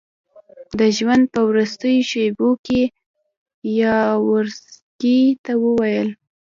د ژوند په وروستیو شېبو کې یاورسکي ته وویل.